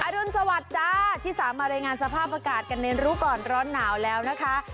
รุนสวัสดิ์จ้าที่สามมารายงานสภาพอากาศกันในรู้ก่อนร้อนหนาวแล้วนะคะ